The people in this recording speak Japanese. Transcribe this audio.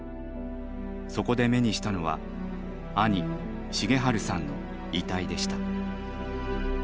そこで目にしたのは兄重治さんの遺体でした。